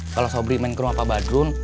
kalo sobri main ke rumah pak badun